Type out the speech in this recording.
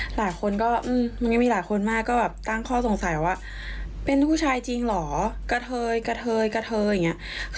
หลายคนก็มันยังมีหลายคนมากก็แบบตั้งข้อสงสัยว่าเป็นผู้ชายจริงเหรอกระเทยกระเทยกระเทยอย่างนี้